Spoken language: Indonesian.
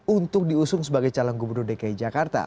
untuk diusung sebagai calon gubernur dki jakarta